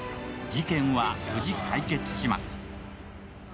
事件は無事、解決します。